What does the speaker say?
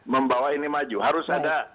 membawa ini maju harus ada